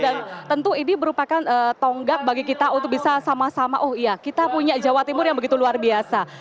dan tentu ini merupakan tonggak bagi kita untuk bisa sama sama oh iya kita punya jawa tibur yang begitu luar biasa